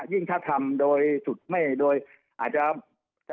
ยิ่งถ้าทำโดยอาจจะ